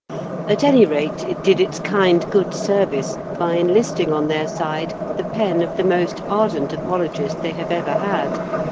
At any rate, it did its kind good service by enlisting on their side the pen of the most ardent apologist they have ever had.